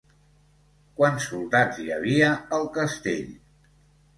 Quants soldats hi havia al castell?